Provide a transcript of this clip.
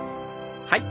はい。